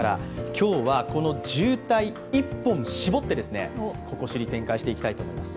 今日はこの渋滞１本に絞って、「ここ知り」展開していきたいと思います。